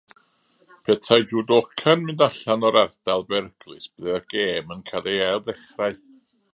Petai judoka'n mynd allan o'r ardal beryglus byddai'r gêm yn cael ei ailddechrau.